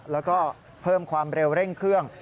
แล้วก็เพิ่มความเร็วเร่งเครื่อง